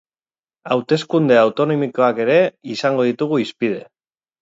Hauteskunde autonomikoak ere izango ditugu hizpide.